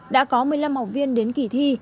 đã có một mươi năm học viên đến kỳ thi